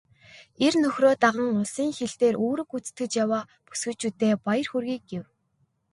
"Эр нөхрөө даган улсын хил дээр үүрэг гүйцэтгэж яваа бүсгүйчүүддээ баяр хүргэе" гэв.